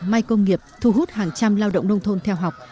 may công nghiệp thu hút hàng trăm lao động nông thôn theo học